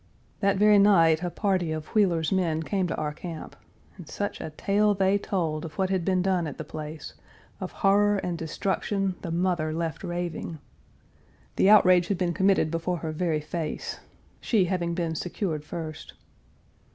That very night a party of Wheeler's men came to our camp, and such a tale they told of what had been done at the place of horror and destruction, the mother left raving. The outrage had been committed before her very face, she having been secured first